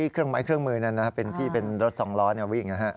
เครื่องมือนั่นนะครับที่เป็นรถสองล้อวิ่งนะครับ